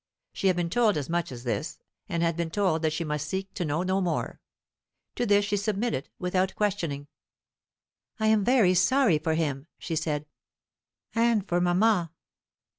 She had been told as much as this, and had been told that she must seek to know no more. To this she submitted without questioning. "I am very sorry for him," she said, "and for mamma."